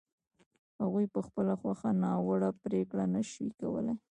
هغوی په خپله خوښه ناوړه پرېکړه نه شي کولای.